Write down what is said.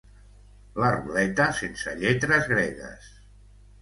La ruleta sense lletres gregues.